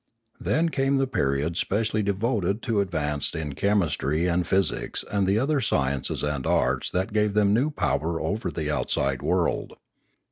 Then came the periods specially devoted to advance in chemistry and physics and the other sciences and arts that gave them new power over the outside world.